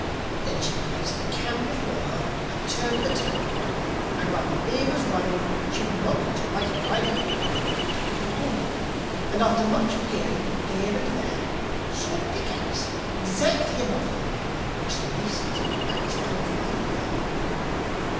Then she placed the can before her, and turned the tap, and while the beer was running she would not let her eyes be idle, but looked up at the wall, and after much peering here and there, saw a pick axe exactly above her, which the masons had accidentally left there.